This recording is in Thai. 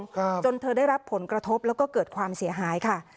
ครับจนเธอได้รับผลกระทบแล้วก็เกิดความเสียหายค่ะ